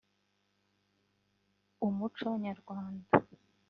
umuco nyarwanda